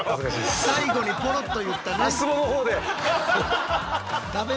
最後にポロッと言ったね。